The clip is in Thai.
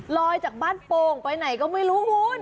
จากบ้านโป่งไปไหนก็ไม่รู้คุณ